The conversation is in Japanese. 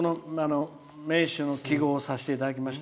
名酒の揮ごうをさせていただきました。